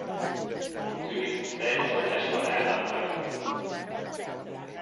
Úgy tűnik, te egy csodás vadállat vagy.